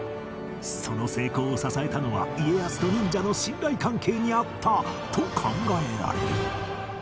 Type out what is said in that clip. その成功を支えたのは家康と忍者の信頼関係にあったと考えられる